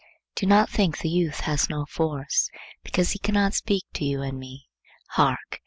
Do not think the youth has no force, because he cannot speak to you and me. Hark!